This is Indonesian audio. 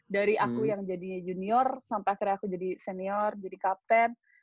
dari aku yang jadinya junior sampai akhirnya aku jadi senior jadi kapten